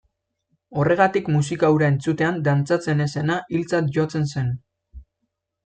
Horregatik musika hura entzutean dantzatzen ez zena hiltzat jotzen zen.